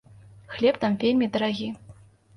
Хлеб там вельмі дарагі.